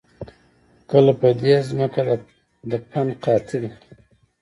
کله په دې زمکه د فن قحطي ده